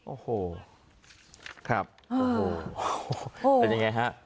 โอ้โหครับโอ้โหเป็นยังไงฮะ